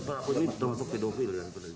berlaku ini terpaksa pedofil